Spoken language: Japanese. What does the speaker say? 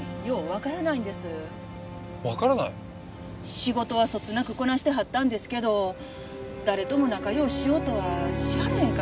仕事はそつなくこなしてはったんですけど誰とも仲良うしようとはしはらへんかったし。